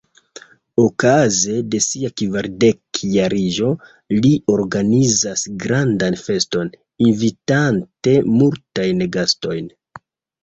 Okaze de sia kvardekjariĝo li organizas grandan feston, invitante multajn gastojn.